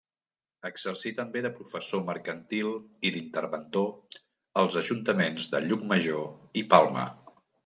Exercí també de professor mercantil i d'interventor als ajuntaments de Llucmajor i Palma.